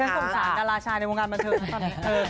ไม่ใช่สงสารการราชาในโรงงานบรรเทิงนะครับ